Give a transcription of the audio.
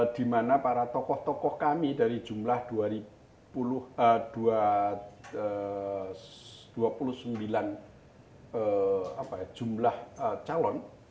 di mana para tokoh tokoh kami dari jumlah dua puluh sembilan jumlah calon